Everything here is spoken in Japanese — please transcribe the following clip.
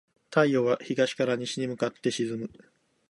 太陽は東から西に向かって沈む。